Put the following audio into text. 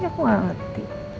aku gak ngerti